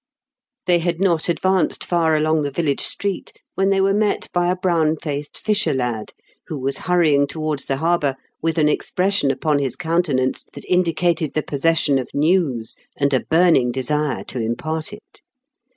They had not advanced far along the village street when they were met by a brown faced fisher lad, who was hurrying towards the harbour with an expression upon his counte nance that indicated the possession of news and a burning desire to impart it.